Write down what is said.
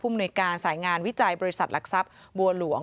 มนุยการสายงานวิจัยบริษัทหลักทรัพย์บัวหลวง